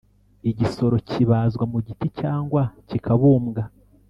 igisoro kibazwa mu giti cyangwa kikabumbwa.